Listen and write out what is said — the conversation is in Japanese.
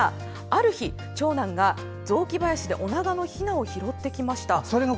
ある日、長男が雑木林でオナガのひなを拾ってきました。